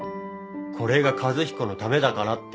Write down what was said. これが和彦のためだからって。